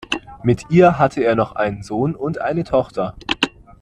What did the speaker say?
Mit ihr hatte er noch einen Sohn und eine Tochter.